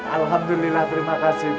alhamdulillah terima kasih